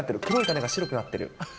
黒い種が白くなってる。